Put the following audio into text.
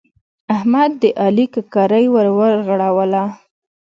احمد د علي ککرۍ ور ورغړوله.